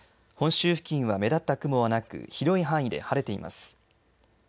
本州付近は目立った雲はなく広い範囲で晴れています。